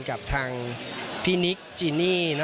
กับทางพี่นิคจีนี่เนอะ